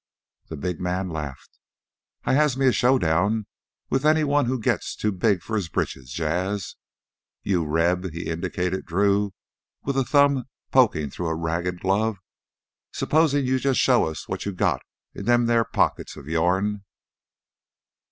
The big man laughed. "I has me a showdown with anyone what gits too big for his breeches, Jas'. You, Reb " he indicated Drew, with a thumb poking through a ragged glove "supposin' you jus' show us what you got in them pockets o' yourn."